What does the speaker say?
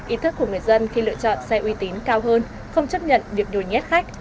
ý thức của người dân khi lựa chọn xe uy tín cao hơn không chấp nhận việc nhồi nhét khách